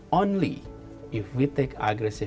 hanya jika kita mengambil tindakan agresif